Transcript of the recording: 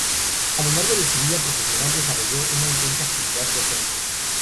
A lo largo de su vida profesional desarrolló una intensa actividad docente.